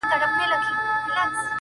ځکه ډلي جوړوي د شریکانو!